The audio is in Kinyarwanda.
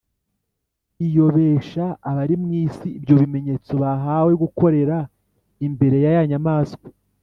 Iyobesha abari mu isi ibyo bimenyetso yahawe gukorera imbere ya ya nyamaswa,